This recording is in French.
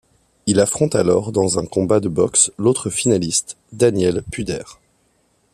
Il affronte alors dans un combat de boxe l'autre finaliste, Daniel Puder.